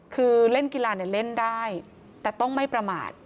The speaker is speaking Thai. คือเล่นกีฬาเล่นได้แต่ต้องไม่ประมาท